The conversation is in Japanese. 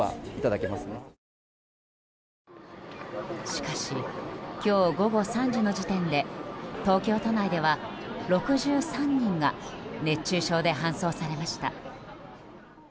しかし、今日午後３時の時点で東京都内では６３人が熱中症で搬送されました。